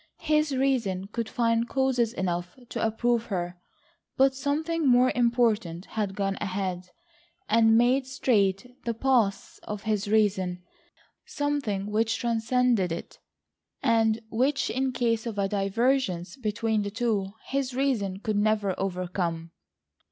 His reason could find causes enough to approve her, but something more important had gone ahead, and made straight the paths of his reason, something which transcended it, and which in case of a divergence between the two, his reason could never overcome.